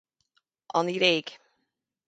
An Ghréig